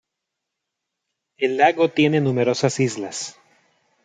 El lago tiene numerosas islas.